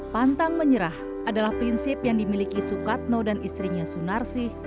pantang menyerah adalah prinsip yang dimiliki sukatno dan istrinya sunarsih